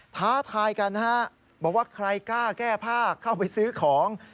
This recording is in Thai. ท้าทายกันนะฮะบอกว่าใครกล้าแก้ผ้าเข้าไปซื้อของ